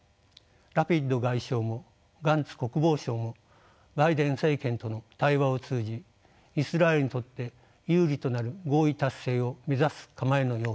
ラピド外相もガンツ国防相もバイデン政権との対話を通じイスラエルにとって有利となる合意達成を目指す構えのようです。